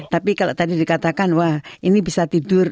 tapi kalau tadi dikatakan wah ini bisa tidur